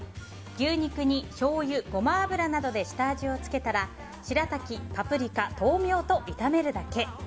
牛肉にしょうゆ、ゴマ油などで下味をつけたらしらたき、パプリカ、豆苗と炒めるだけ。